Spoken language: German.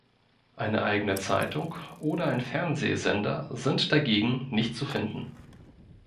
Eine eigene Zeitung oder ein Fernsehsender sind dagegen nicht zu finden.